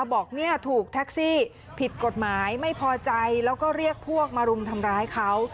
บอกเนี่ยถูกแท็กซี่ผิดกฎหมายไม่พอใจแล้วก็เรียกพวกมารุมทำร้ายเขา